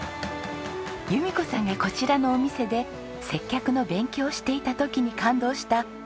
由美子さんがこちらのお店で接客の勉強をしていた時に感動した唐揚げなんです。